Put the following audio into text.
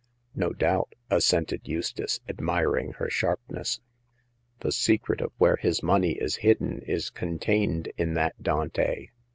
No doubt," assented Eustace, admiring her sharpness. " The secret of where his money is hidden is contained in that Dante.